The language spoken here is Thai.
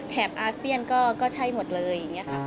แถบอาเซียนก็ใช่หมดเลย